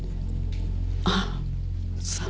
あっそう。